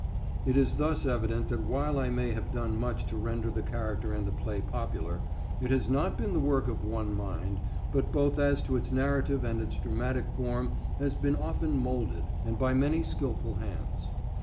It is thus evident that while I may have done much to render the character and the play popular, it has not been the work of one mind, but both as its to narrative and its dramatic form has been often moulded, and by many skilful hands.